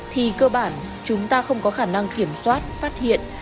thì cơ bản chúng ta không có khả năng kiểm soát phát hiện